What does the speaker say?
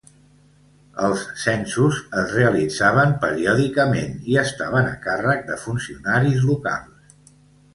Els censos es realitzaven periòdicament i estaven a càrrec de funcionaris locals.